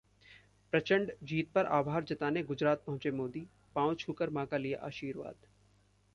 प्रचंड जीत पर आभार जताने गुजरात पहुंचे मोदी, पांव छूकर मां का लिया आशीर्वाद